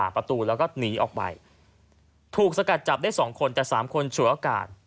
ประตูแล้วก็หนีออกไปถูกสกัดจับได้สองคนแต่สามคนฉุกอากาศ